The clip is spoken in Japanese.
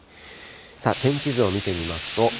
さあ、天気図を見てみますと。